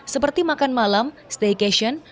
seperti makan malam staycation